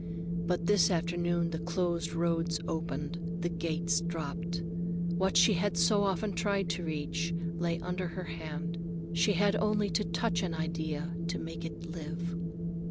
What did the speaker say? But this afternoon the closed roads opened, the gates dropped. What she had so often tried to reach, lay under her hand. She had only to touch an idea to make it live.